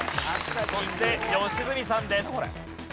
そして良純さんです。